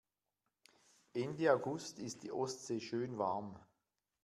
Ende August ist die Ostsee schön warm.